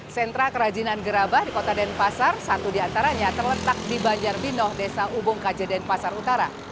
sentra kerajinan gerabah di kota denpasar satu di antaranya terletak di banjarbinoh desa ubung kajeden pasar utara